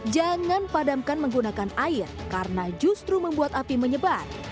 jangan padamkan menggunakan air karena justru membuat api menyebar